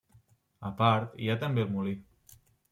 A part, hi ha també el Molí.